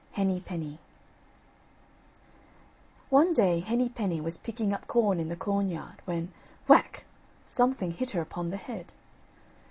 HENNY PENNY One day Henny penny was picking up corn in the cornyard when whack! something hit her upon the head.